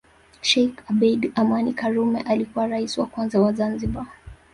Sheikh Abeid Amani Karume alikuwa Rais wa kwanza wa Zanzibar